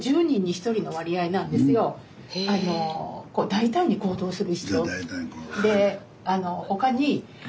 大胆に行動する。